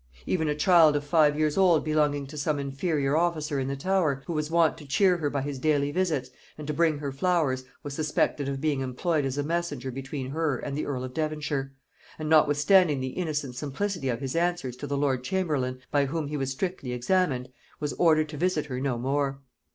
Even a child of five years old belonging to some inferior officer in the Tower, who was wont to cheer her by his daily visits, and to bring her flowers, was suspected of being employed as a messenger between her and the earl of Devonshire; and notwithstanding the innocent simplicity of his answers to the lord chamberlain by whom he was strictly examined, was ordered to visit her no more.